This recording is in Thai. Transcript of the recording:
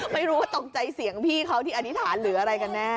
ไม่รู้ว่าตกใจเสียงพี่เขาที่อธิษฐานหรืออะไรกันแน่